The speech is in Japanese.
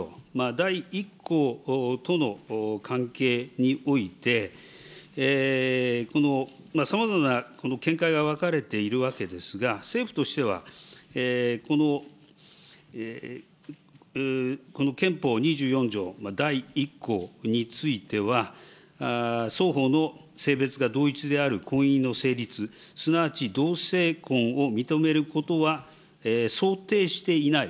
第１項との関係において、さまざまなこの見解が分かれているわけですが、政府としては、この憲法２４条第１項については、双方の性別が同一である婚姻の成立、すなわち同性婚を認めることは想定していない。